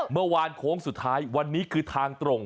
เมื่อวานโค้งสุดท้ายวันนี้คือทางตรง